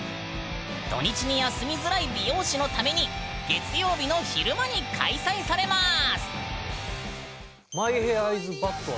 土日に休みづらい美容師のために月曜日の昼間に開催されます！